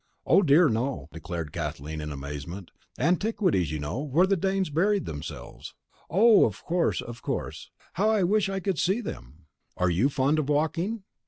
"Oh, dear no," declared Kathleen in amazement. "Antiquities, you know, where the Danes buried themselves." "Of course, of course. How I wish I could see them! Are you fond of walking?"